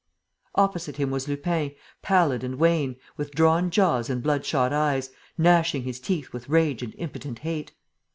Opposite him was Lupin, pallid and wan, with drawn jaws and bloodshot eyes, gnashing his teeth with rage and impotent hate.